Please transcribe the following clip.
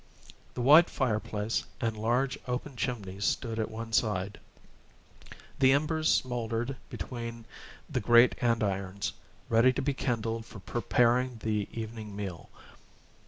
The wide fireplace and large, open chimney stood at one side. The embers smouldered between the great andirons, ready to be kindled for preparing the evening meal.